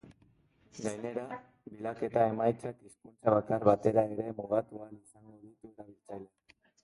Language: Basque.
Gainera, bilaketa emaitzak hizkuntza bakar batera ere mugatu ahal izango ditu erabiltzaileak.